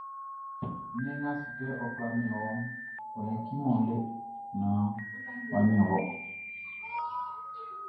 Nnɛn nga a si kɛ ɔ kwla min wɔʼn, ɔ yaciman ɔ lɛ naan ɔ ɲin ɔ.